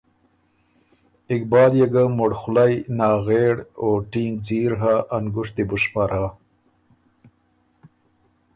اقبال ګۀ مُړخولئ، ناغېړ او ټینګ ځیر هۀ، ا نګُشتی بو شمرا۔